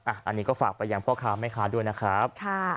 อันนี้ก็ฝากไปยังพ่อค้าแม่ค้าด้วยนะครับ